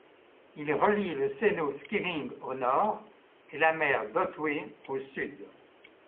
Il relie le seno Skyring au nord et la mer d'Otway au sud.